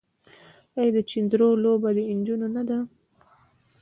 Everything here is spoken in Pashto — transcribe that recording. آیا د چيندرو لوبه د نجونو نه ده؟